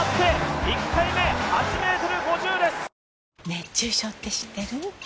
熱中症って知ってる？